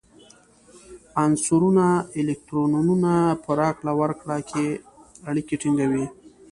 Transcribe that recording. عنصرونه د الکترونونو په راکړه ورکړه اړیکې ټینګوي.